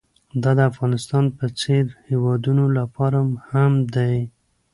دا د افغانستان په څېر هېوادونو لپاره هم دی.